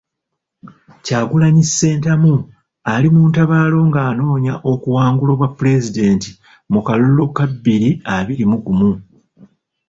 Kyagulanyi Ssentamu ali mu ntabaalo ng'anoonya okuwangula obwapulezidenti mu kalulu ka bbiri abiri mu gumu.